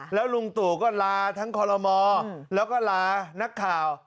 แล้วลุงตู่ก็ลาทั้งคอลโลมอแล้วก็ลานักข่าว